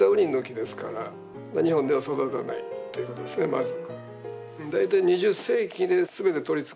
まず。